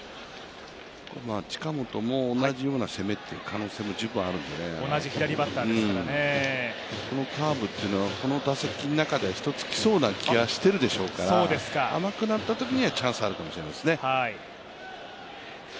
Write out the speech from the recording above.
近本も同じような攻めという可能性も十分あるんでね、このカーブはこの打席の中では１つきそうな気がしてるでしょうから、甘くなったときにはチャンスあるかもしれないですね。